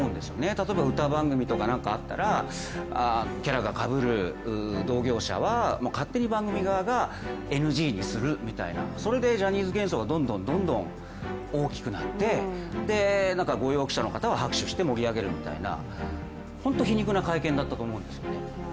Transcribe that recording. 例えば歌番組とかがあったらキャラがかぶる同業者は勝手に番組側がＮＧにするみたいなそれでジャニーズ事務所がどんどんどんどん大きくなって、御用記者の人は拍手をして盛り上げるみたいな本当に皮肉な会見だったと思うんですよね。